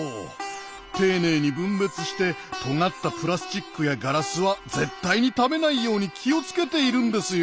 丁寧に分別してとがったプラスチックやガラスは絶対に食べないように気を付けているんですよ。